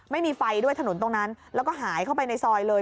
ไม่มีไฟด้วยถนนตรงนั้นแล้วก็หายเข้าไปในซอยเลย